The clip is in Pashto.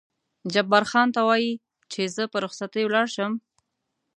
جبار خان: ته وایې چې زه په رخصتۍ ولاړ شم؟